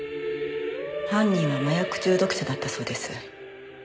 犯人は麻薬中毒者だったそうです。